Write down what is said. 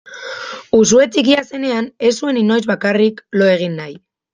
Uxue txikia zenean ez zuen inoiz bakarrik lo egin nahi.